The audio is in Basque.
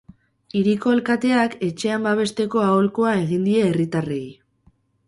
Hiriko alkateak etxean babesteko aholkua egin die herritarrei.